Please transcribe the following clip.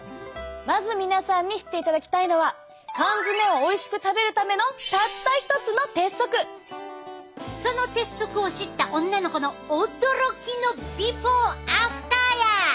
まず皆さんに知っていただきたいのはその鉄則を知った女の子の驚きのビフォーアフターや！